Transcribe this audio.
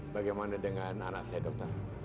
bagaimana dengan anak saya dokter